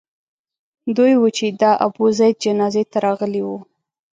دوی وو چې د ابوزید جنازې ته راغلي وو.